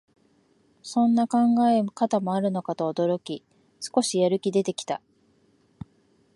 そんな考え方もあるのかと驚き、少しやる気出てきた